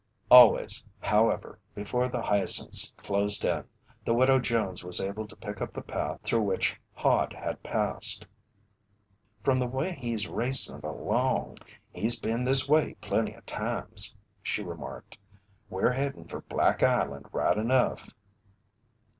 Always, however, before the hyacinths closed in, the Widow Jones was able to pick up the path through which Hod had passed. "From the way he's racin' along, he's been this way plenty o' times," she remarked. "We're headin' fer Black Island right enough."